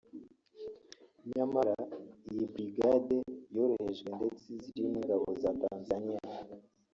Nyamara iyi brigade yaroherejwe ndetse iza irimo ingabo za Tanzaniya